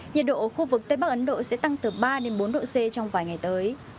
nhiệt độ ở khu vực tây bắc ấn độ sẽ tăng từ ba bốn độ c trong vài ngày tới